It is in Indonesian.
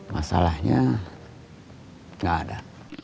masalahnya nggak ada